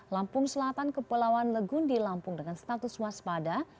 lampung selatan ke pulauan legundi lampung dengan status waspada